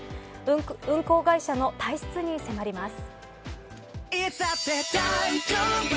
運航会社の体質に迫ります。